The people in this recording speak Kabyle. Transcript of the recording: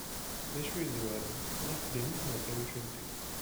D acu i yezwaren, d axeddim-ik neɣ d tawacult-ik?